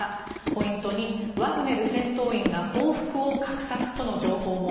ポイント２、ワグネル戦闘員が報復を画策との情報も。